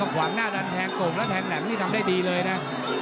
ขวางหน้าดันแทงโก่งแล้วแทงแหลมนี่ทำได้ดีเลยนะ